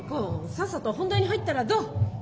さっさと本題に入ったらどう？